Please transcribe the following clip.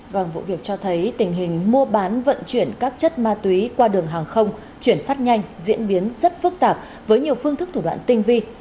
vâng vụ việc cho thấy tình hình mua bán vận chuyển các chất ma túy qua đường hàng không chuyển phát nhanh diễn biến rất phức tạp với nhiều phương thức thủ đoạn tinh vi